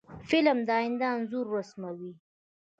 فلم د آینده انځور رسموي